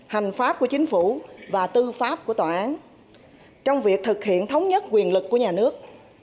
hành pháp của chính phủ và tư pháp của tòa án trong việc thực hiện thống nhất quyền lực của nhà nước